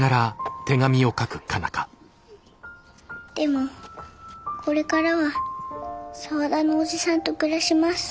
「でもこれからは沢田の叔父さんと暮らします。